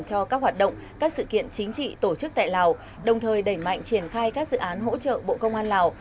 cho các hoạt động các sự kiện chính trị tổ chức tại lào đồng thời đẩy mạnh triển khai các dự án hỗ trợ bộ công an lào